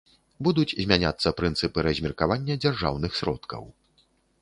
Будуць змяняцца прынцыпы размеркавання дзяржаўных сродкаў.